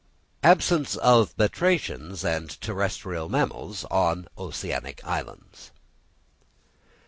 _Absence of Batrachians and Terrestrial mammals on Oceanic Islands.